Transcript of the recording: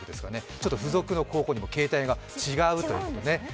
ちょっと付属の高校でも系統が違うということですね。